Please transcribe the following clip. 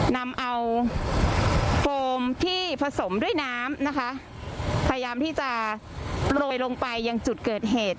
นำเอาโฟมที่ผสมด้วยน้ำนะคะพยายามที่จะโปรยลงไปยังจุดเกิดเหตุ